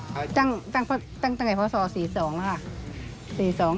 จ้างตังค์ไหนเพราะศ๔๒แล้วค่ะ